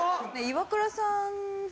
イワクラさん。